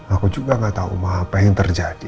aku juga gak tau mak apa yang terjadi